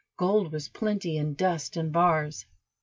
Gold was plenty in dust and bars.